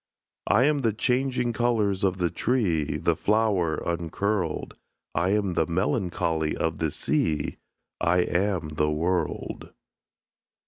I am the changing colours of the tree; The flower uncurled: I am the melancholy of the sea; I am the world.